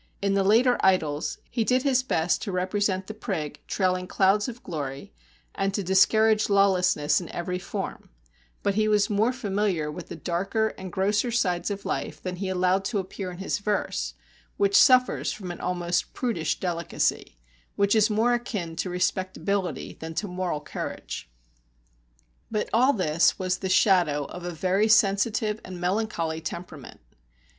In the later "Idylls" he did his best to represent the prig trailing clouds of glory, and to discourage lawlessness in every form; but he was more familiar with the darker and grosser sides of life than he allowed to appear in his verse, which suffers from an almost prudish delicacy, which is more akin to respectability than to moral courage. But all this was the shadow of a very sensitive and melancholy temperament.